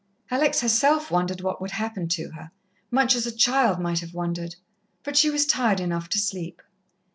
Alex herself wondered what would happen to her, much as a child might have wondered. But she was tired enough to sleep.